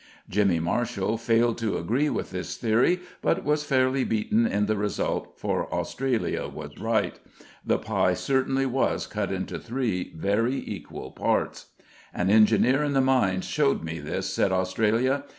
Jimmy Marshall failed to agree with this theory, but was fairly beaten in the result, for Australia was right. The pie certainly was cut into three very equal parts. "An engineer in the mines showed me this," said Australia.